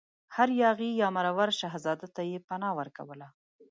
هر یاغي یا مرور شهزاده ته یې پناه ورکوله.